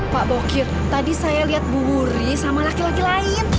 pak bokir tadi saya lihat bu wuri sama laki laki lain